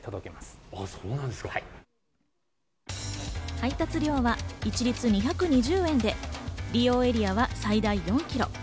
配達料は一律２２０円で、利用エリアは最大４ｋｍ。